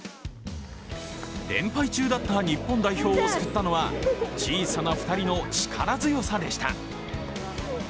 連敗中だった日本代表を救ったのは小さな２人の力強さでした。